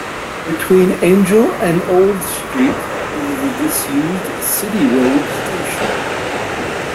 Between Angel and Old Street is the disused City Road station.